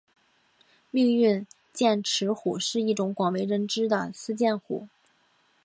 命运剑齿虎是一种广为人知的斯剑虎。